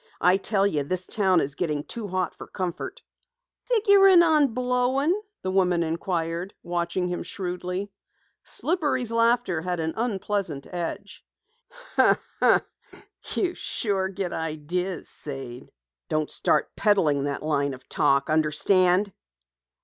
I tell you this town is getting too hot for comfort." "Figurin' on blowing?" the woman inquired, watching him shrewdly. Slippery's laughter had an unpleasant edge. "You sure do get ideas, Sade. Don't start peddling that line of talk. Understand?"